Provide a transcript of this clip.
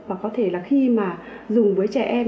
và có thể là khi mà dùng với trẻ em